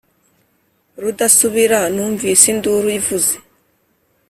rudasubira numvise induru ivuze